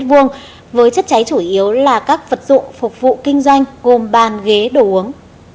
với chất cháy chủ yếu là các vật dụng phục vụ kinh doanh gồm bàn ghế đồ uống